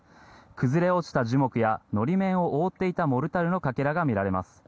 崩れ落ちた樹木や法面を覆っていたモルタルのかけらが見られます。